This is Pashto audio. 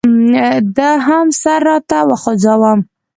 ده هم سر راته وخوځاوه.